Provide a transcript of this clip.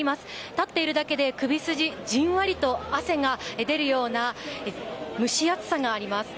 立っているだけで首筋、じんわりと汗が出るような蒸し暑さがあります。